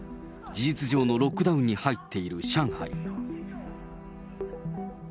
事実上のロックダウンに入っている上海。